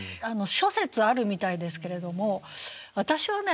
諸説あるみたいですけれども私はね